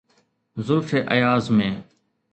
زلف اياز ۾.